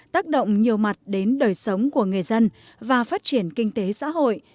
tác động nhiều mặt đến đời sống của người dân và phát triển kinh tế xã hội